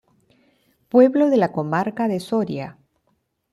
Pueblo de la Comarca de Soria.